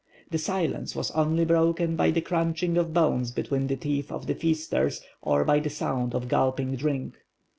The silence was only broken by the crunching of bones between the teeth of the feasters or by the sound of gulping drink.